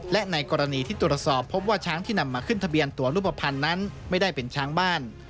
และในกรณีที่ตรวจสอบพบว่าช้างที่นำมาขึ้นทะเบียนตัวรูปภัณฑ์นั้นไม่ได้เป็นช้างบ้าน